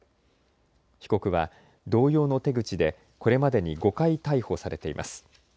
被告は同様の手口でこれまでに５回逮捕されています。